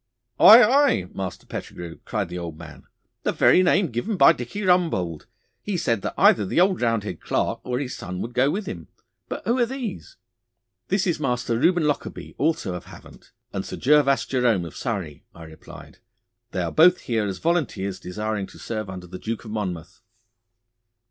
'Aye, aye, Master Pettigrue,' cried the old man. 'The very name given by Dicky Rumbold. He said that either the old Roundhead Clarke or his son would go with him. But who are these?' 'This is Master Reuben Lockarby, also of Havant, and Sir Gervas Jerome of Surrey,' I replied. 'They are both here as volunteers desiring to serve under the Duke of Monmouth.